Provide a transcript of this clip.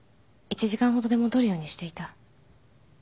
１時間ほどで戻るようにしていた。